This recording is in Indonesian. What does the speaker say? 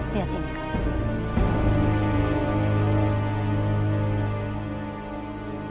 lihat ini kak